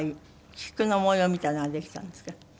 菊の模様みたいなのができたんですけど。